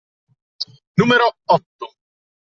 Numero otto.